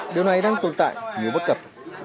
điều này đang tồn tại nhiều bất cập